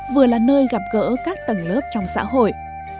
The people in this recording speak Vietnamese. vừa là nơi gặp gỡ các tầng lớp trong xã hội